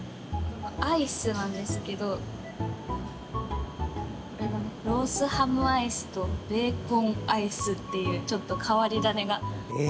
アイスなんですけどロースハムアイスとベーコンアイスというちょっと変わり種が。